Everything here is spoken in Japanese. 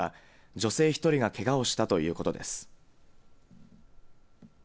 女性１人がけがをしたということです。